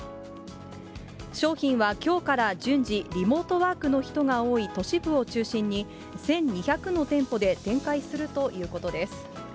商品はきょうから順次、リモートワークの人が多い都市部を中心に、１２００の店舗で展開するということです。